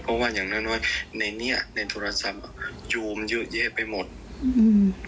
เพราะว่าอย่างน้อยน้อยในเนี้ยในโทรศัพท์อ่ะจูมเยอะแยะไปหมดอืม